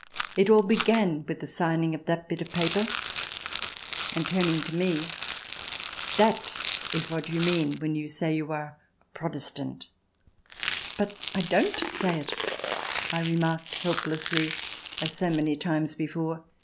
It all began with the signing of that bit of paper." And turning to me :" That is what you mean when you say you are a Protestant 1" " But I don't say it," I remarked helplessly, as so many times before.